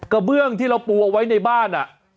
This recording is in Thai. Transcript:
เบื้องที่เราปูเอาไว้ในบ้าน